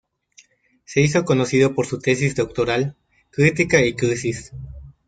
Se hizo conocido por su tesis doctoral "Crítica y crisis.